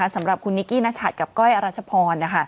สำหรับคุณนิกกี้นัชัดกับก้อยอรัชพร